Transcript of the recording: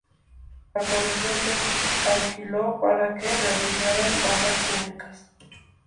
Al parecer, los alquiló para que realizaran obras públicas.